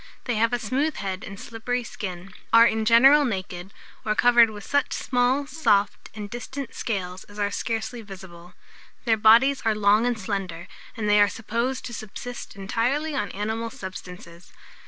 They have a smooth head and slippery skin, are in general naked, or covered with such small, soft, and distant scales, as are scarcely visible. Their bodies are long and slender, and they are supposed to subsist entirely on animal substances.